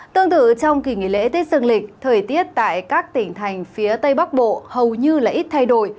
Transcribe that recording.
tương tự trong kỳ nghỉ lễ tết dương lịch thời tiết tại các tỉnh thành phía tây bắc bộ hầu như là ít thay đổi